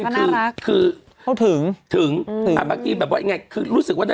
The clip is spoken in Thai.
คือรู้สึกว่าเบทแบบไม่เขาถึง